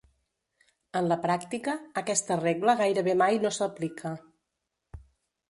En la pràctica, aquesta regla gairebé mai no s'aplica.